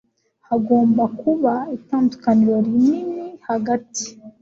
Hagomba kuba itandukaniro rinini hagati